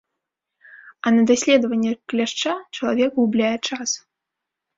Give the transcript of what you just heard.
А на даследаванне кляшча чалавек губляе час.